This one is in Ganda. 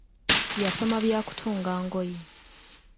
Yasoma bya kutunga ngoye.